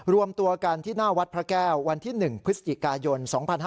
รวมตัวกันที่หน้าวัดพระแก้ววันที่๑พฤศจิกายน๒๕๕๙